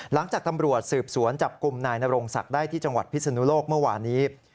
หลังจากตำรวจสืบสวนจับกลุ่มนายนรงศักดิ์ได้ที่จังหวัดพิศนุโลกเมื่อวานี้